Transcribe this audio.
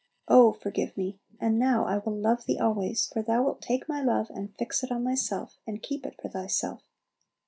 Oh, forgive me! and now I will love Thee always; for Thou wilt take my love, and fix it on Thyself, and keep it for Thyself.